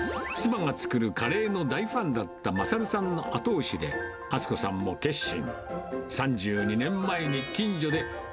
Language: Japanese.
妻が作るカレーの大ファンだった賢さんの後押しで、厚子さんも決心。